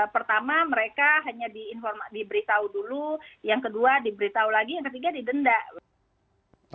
pertama mereka hanya diberitahu dulu yang kedua diberitahu lagi yang ketiga didenda